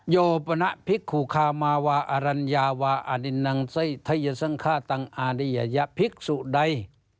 โยปณะภิกุคามาวาอรัญญาวาอาดินนังไทยสังฆาตังอาริยภิกษุใด